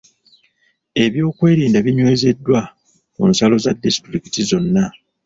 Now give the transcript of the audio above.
Ebyokwerinda binywezeddwa ku nsalo za disitulikiti zonna.